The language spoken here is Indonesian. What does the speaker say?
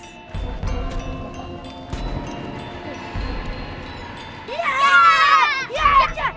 hei kembalikan mainannya